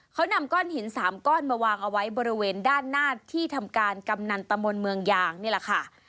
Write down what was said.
เขานำก้อนหิน๓ก้อนมาวางเอาไว้บริเวณด้านหน้าที่ทำการกำนันตมนต์เมืองยางนี่แหละค่ะ